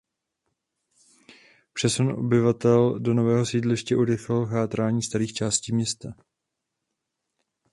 Přesun obyvatel do nového sídliště urychlil chátrání starých částí města.